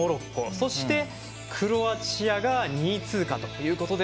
そして、クロアチアが２位通過ということで